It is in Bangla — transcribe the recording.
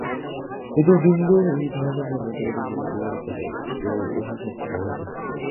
এতদ্ভিন্ন এই ধারণা বা মতবাদের কোন উপকারিতা নাই, এবং উহা সম্পূর্ণ অযৌক্তিক।